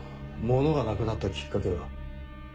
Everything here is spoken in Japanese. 物がなくなったきっかけは？